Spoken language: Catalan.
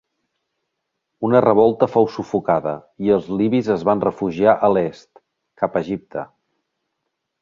Una revolta fou sufocada i els libis es van refugiar a l'est, cap Egipte.